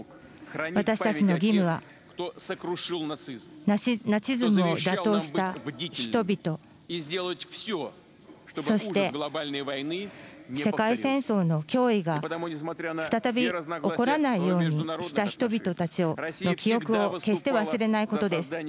私たちの義務はナチズムを打倒した人々、そして世界戦争の脅威が再び起こらないようにした人々たちの記憶を決して忘れないことです。